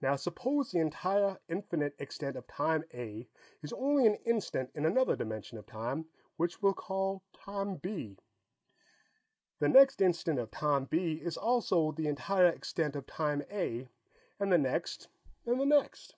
Now, suppose the entire, infinite extent of Time A is only an instant in another dimension of time, which we'll call Time B. The next instant of Time B is also the entire extent of Time A, and the next and the next.